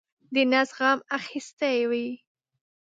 د نس غم اخیستی وي.